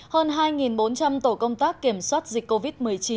hơn hai bốn trăm linh tổ công tác kiểm soát dịch covid một mươi chín